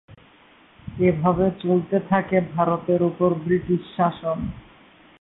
এভাবে চলতে থাকে ভারতের উপর ব্রিটিশ শাসন।